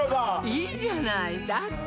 いいじゃないだって